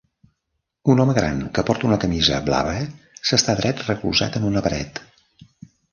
Un home gran que porta una camisa blava s'està dret recolzat en una paret.